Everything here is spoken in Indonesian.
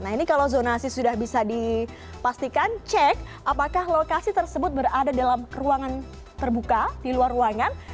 nah ini kalau zonasi sudah bisa dipastikan cek apakah lokasi tersebut berada dalam ruangan terbuka di luar ruangan